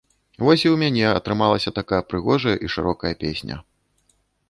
Вось і ў мяне атрымалася такая прыгожая і шырокая песня.